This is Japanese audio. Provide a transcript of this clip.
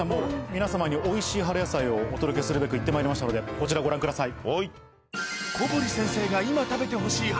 皆様においしい春野菜をお届けするべく行ってまいりましたのでこちらご覧ください。